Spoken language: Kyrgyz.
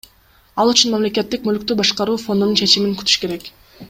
Ал үчүн Мамлекеттик мүлктү башкаруу фондунун чечимин күтүш керек.